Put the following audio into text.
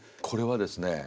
これはですね